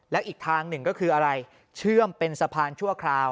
แล้วอีกทางหนึ่งก็คืออะไรเชื่อมเป็นสะพานชั่วคราว